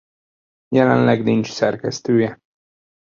Jelenleg nincs szerkesztője.